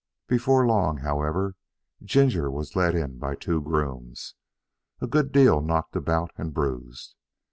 Before long, however, Ginger was led in by two grooms, a good deal knocked about and bruised.